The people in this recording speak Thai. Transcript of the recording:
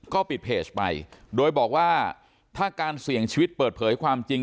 ก็ปิดเพจไปโดยบอกว่าถ้าการเสี่ยงชีวิตเปิดเผยความจริง